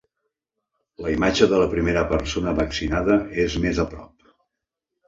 La imatge de la primera persona vaccinada és més a prop.